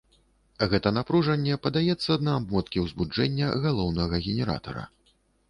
Гэта напружанне падаецца на абмоткі ўзбуджэння галоўнага генератара.